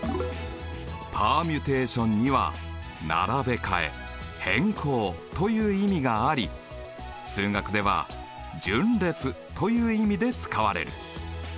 ｐｅｒｍｕｔａｔｉｏｎには並べ替え変更という意味があり数学では順列という意味で使われる。